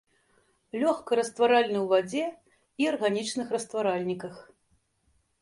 Лёгка растваральны ў вадзе і арганічных растваральніках.